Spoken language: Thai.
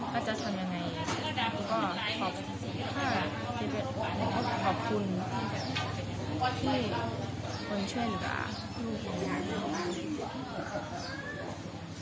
ให้มันเชื่อหรือเปล่ายังห่างงานัก